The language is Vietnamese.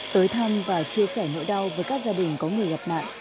tới thăm và chia sẻ nỗi đau với các gia đình có người gặp nạn